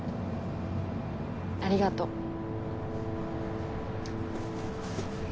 ありがとう。